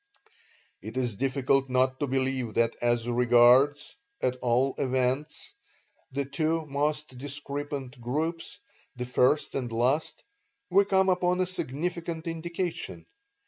"It is difficult not to believe that as regards, at all events, the two most discrepant groups, the first and last, we come upon a significant indication.